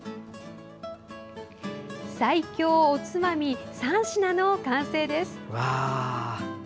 最強おつまみ、３品の完成です！